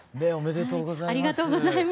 ありがとうございます。